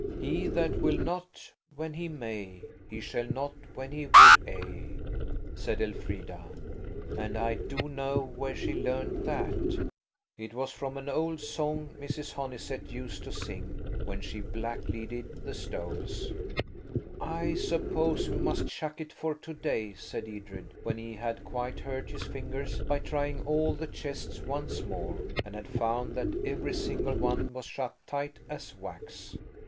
"'He that will not when he may, He shall not when he would–a,'" said Elfrida–and I do know where she learned that. It was from an old song Mrs. Honeysett used to sing when she blackleaded the stoves. "I suppose we must chuck it for to day," said Edred, when he had quite hurt his fingers by trying all the chests once more, and had found that every single one was shut tight as wax.